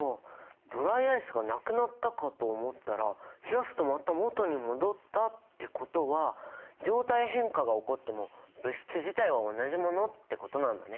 ドライアイスがなくなったかと思ったら冷やすとまたもとに戻ったってことは「状態変化が起こっても物質自体は同じもの」ってことなんだね。